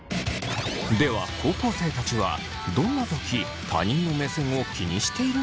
では高校生たちはどんなとき他人の目線を気にしているのか？